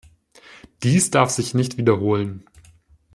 Dies darf sich nicht wiederholen.